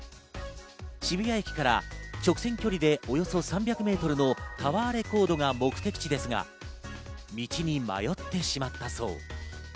渋谷駅から直線距離でおよそ３００ｍのタワーレコードが目的地ですが、道に迷ってしまったそう。